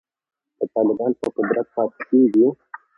که طالبان په قدرت پاتې کیږي